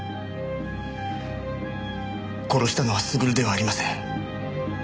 殺したのは優ではありません。